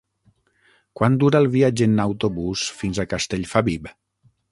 Quant dura el viatge en autobús fins a Castellfabib?